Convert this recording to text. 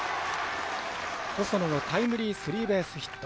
細野のタイムリースリーベースヒット。